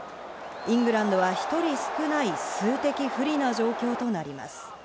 イングランドは１人少ない数的不利な状況となります。